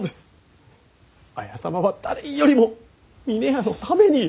綾様は誰よりも峰屋のために！